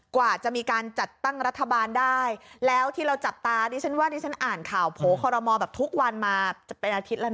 กว่าจะมีการจัดตั้งรัฐบาลได้แล้วที่เราจับตาดิฉันว่าดิฉันอ่านข่าวโผล่คอรมอแบบทุกวันมาจะเป็นอาทิตย์แล้วนะ